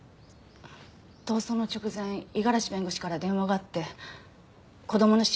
逃走の直前五十嵐弁護士から電話があって子供の親権は渡さない。